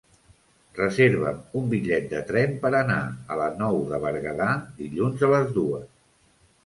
Reserva'm un bitllet de tren per anar a la Nou de Berguedà dilluns a les dues.